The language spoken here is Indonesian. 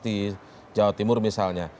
di jawa timur misalnya